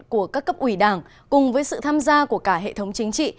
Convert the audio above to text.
của các cấp ủy đảng cùng với sự tham gia của cả hệ thống chính trị